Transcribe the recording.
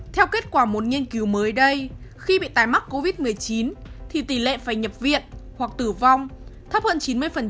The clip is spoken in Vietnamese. theo kết quả một nghiên cứu mới đây khi bị tái mắc covid một mươi chín thì tỷ lệ phải nhập viện hoặc tử vong thấp hơn chín mươi so với mắc covid một mươi chín lần đầu